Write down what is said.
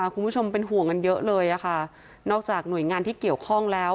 คุณผู้ชมเป็นห่วงกันเยอะเลยค่ะนอกจากหน่วยงานที่เกี่ยวข้องแล้ว